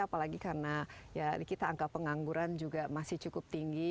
apalagi karena ya kita angka pengangguran juga masih cukup tinggi